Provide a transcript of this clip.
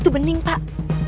itu bening pak